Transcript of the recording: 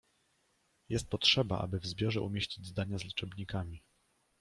Jest potrzeba aby w zbiorze umieścić zdania z liczebnikami